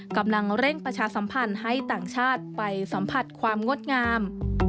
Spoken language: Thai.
กำลังเร่งประชาสัมพันธ์ให้ต่างชาติไปสัมผัสความงดงาม